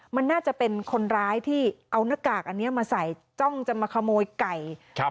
มันน่าจะเป็นคนร้ายที่เอาหน้ากากอันนี้มาใส่จ้องจะมาขโมยไก่ครับ